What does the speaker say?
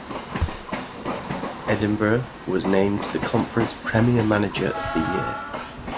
Edinburgh was named the Conference Premier Manager of the Year.